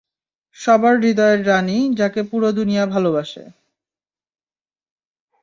সবার হৃদয়ের রানী, যাকে পুরো দুনিয়া ভালোবাসে।